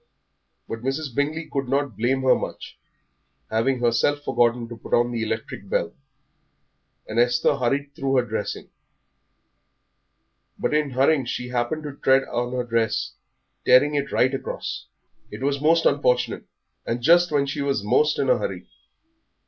But Mrs. Bingley could not blame her much, having herself forgotten to put on the electric bell, and Esther hurried through her dressing. But in hurrying she happened to tread on her dress, tearing it right across. It was most unfortunate, and just when she was most in a hurry.